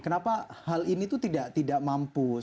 kenapa hal ini itu tidak mampu